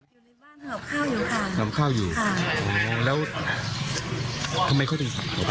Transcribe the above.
อยู่ในบ้านเหลือบข้าวอยู่ข้าง